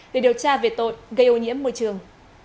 để điều tra về tội gây ô nhiễm môi trường